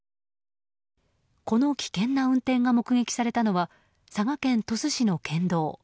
この危険な運転が目撃されたのは佐賀県鳥栖市の県道。